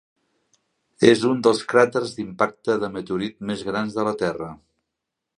És un dels cràters d'impacte de meteorit més grans de la Terra.